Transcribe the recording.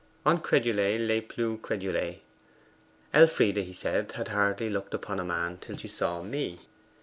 Incredules les plus credules. 'Elfride,' he said, 'had hardly looked upon a man till she saw me.